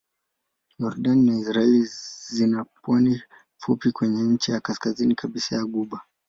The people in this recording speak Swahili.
Yordani na Israel zina pwani fupi kwenye ncha ya kaskazini kabisa ya ghuba.